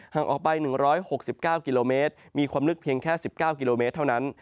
ห่างออกไป๑๖๙กิโลเมตรมีความลึกเพียงแค่๑๙กิโลเมตรเท่านั้น